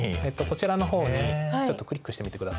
こちらの方にちょっとクリックしてみてください。